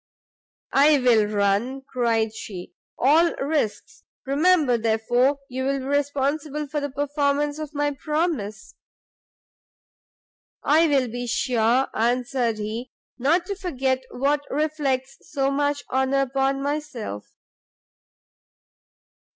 "I will run," cried she, "all risks; remember, therefore, you will be responsible for the performance of my promise." "I will be sure," answered he, "not to forget what reflects so much honour upon myself."